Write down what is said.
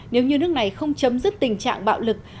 nếu như nước này không chấm dứt tình trạng bạo lực